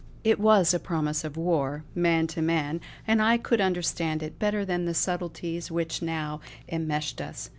It was a promise of war, man to man, and I could understand it better than the subtleties which now enmeshed us.